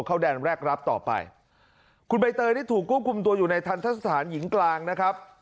เข้าแดนแรกรับต่อไปคุณใบเตยนี่ถูกควบคุมตัวอยู่ในทันทะสถานหญิงกลางนะครับ